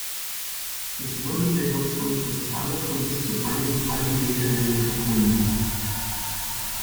Es wurden jedoch schon Kristalle von bis zu einem halben Meter Länge gefunden.